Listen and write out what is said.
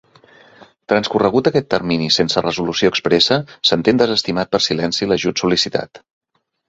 Transcorregut aquest termini sense resolució expressa, s'entén desestimat per silenci l'ajut sol·licitat.